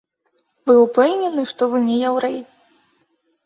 Вы ўпэўнены, што вы не яўрэй?